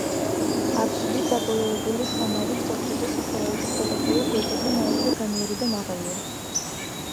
აფსიდით დაბოლოებული შუა ნავი ცალფერდა სახურავებით გადახურულ გვერდითა ნავებზე განიერი და მაღალია.